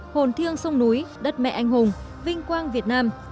hồn thiêng sông núi đất mẹ anh hùng vinh quang việt nam